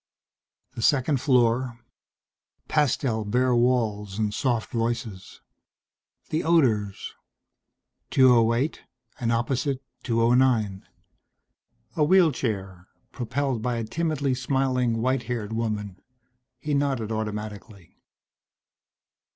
The second floor. Pastel bare walls and soft voices. The odors. 208 and opposite, 209. A wheelchair, propelled by a timidly smiling white haired woman. He nodded automatically.